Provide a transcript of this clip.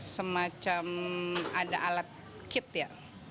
semacam ada alat kit ya